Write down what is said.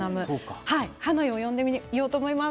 ハノイを呼んでみようと思います。